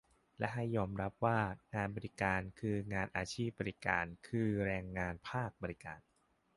และให้ยอมรับว่า งานบริการ คืองานอาชีพบริการ คือแรงงานภาคบริการ